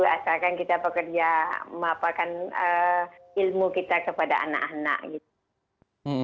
asalkan kita bekerja memapakan ilmu kita kepada anak anak gitu